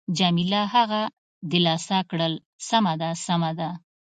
جميله هغه دلاسا کړل: سمه ده، سمه ده.